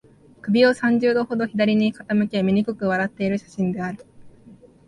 首を三十度ほど左に傾け、醜く笑っている写真である